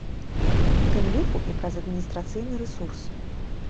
У тым ліку і праз адміністрацыйны рэсурс.